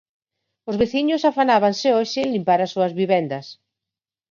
Os veciños afanábanse hoxe en limpar as súas vivendas.